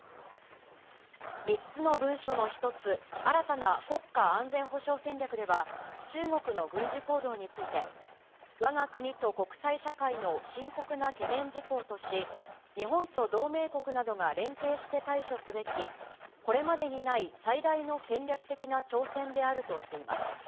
３つの文書の１つ、新たな国家安全保障戦略では、中国の軍事行動について、わが国と国際社会の深刻な懸念事項とし、日本と同盟国などが連携して対処すべき、これまでにない最大の戦略的な挑戦であるとしています。